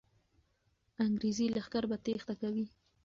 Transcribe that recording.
انګریزي لښکر به تېښته کوي.